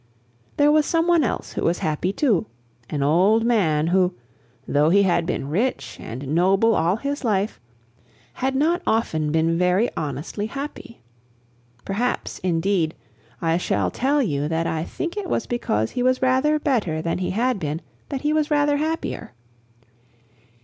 There was some one else who was happy, too, an old man, who, though he had been rich and noble all his life, had not often been very honestly happy. Perhaps, indeed, I shall tell you that I think it was because he was rather better than he had been that he was rather happier.